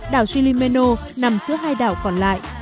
đảo gili meno nằm giữa hai đảo còn lại